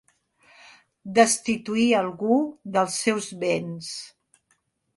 Destituir algú dels seus béns.